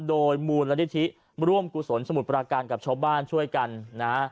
โดยมูลฤษิร่วมกุโสนชมูลประการกับช้อบ้านช่วยกัน